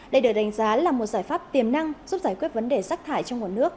đây được đánh giá là một giải pháp tiềm năng giúp giải quyết vấn đề rác thải trong nguồn nước